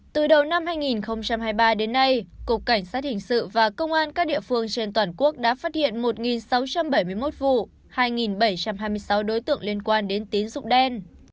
từ đầu năm hai nghìn hai mươi ba đến nay cục cảnh sát hình sự và công an các địa phương trên toàn quốc đã phát hiện một sáu trăm bảy mươi một vụ hai bảy trăm hai mươi sáu đối tượng liên quan đến tín dụng đen